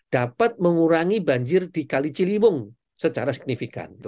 dapat mengurangi banjir di kali ciliwung secara signifikan